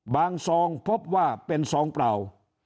ซองพบว่าเป็นซองเปล่า